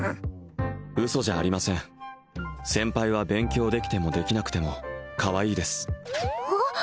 ウソじゃありません先輩は勉強できてもできなくてもかわいいです